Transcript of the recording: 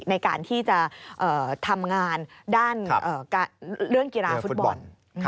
ในการที่จะทำงานด้านเรื่องกีฬาฟุตบอล